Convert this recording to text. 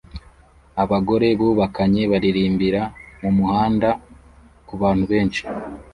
Abagore bubakanye baririmbira mumuhanda kubantu benshi